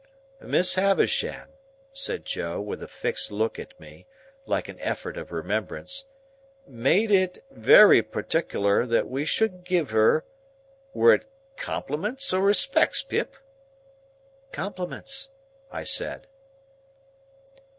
"Miss Havisham," said Joe, with a fixed look at me, like an effort of remembrance, "made it wery partick'ler that we should give her—were it compliments or respects, Pip?" "Compliments," I said.